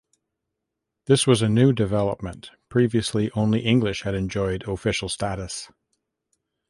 This was a new development; previously, only English had enjoyed official status.